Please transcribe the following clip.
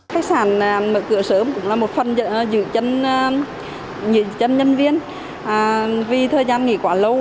khách sạn mở cửa sớm cũng là một phần dự trân nhân viên vì thời gian nghỉ quá lâu